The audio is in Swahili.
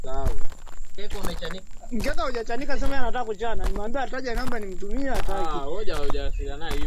Imeendelea kufundisha lugha ya kiswahili na lugha za